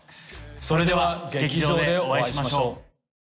それでは劇場でお会いしましょう。